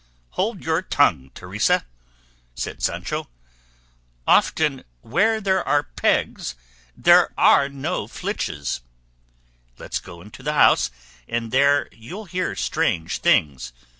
"Hold your tongue, Teresa," said Sancho; "often 'where there are pegs there are no flitches;' let's go into the house and there you'll hear strange things.